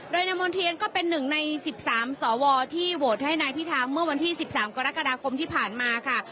โดยนายมณ์เทียนก็เป็นหนึ่งใน๑๓สวที่โหวตให้นายพิธาเมื่อวันที่๑๓กรกฎาคมที่ผ่านมาค่ะ